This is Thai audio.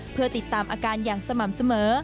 เพื่อติดตามอาการอย่างสม่ำเสมอ